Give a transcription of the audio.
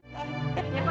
yang kecil sana